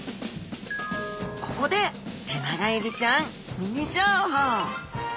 ここでテナガエビちゃんミニ情報。